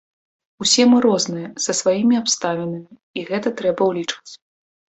Усе мы розныя, са сваімі абставінамі, і гэта трэба ўлічваць.